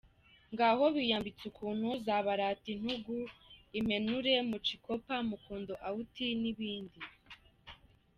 Ngaho biyambitse ukuntu za baratintugu, impenuro, mucikopa, mukondo-out n’ibindi.